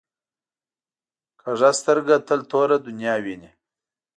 کوږه سترګه تل توره دنیا ویني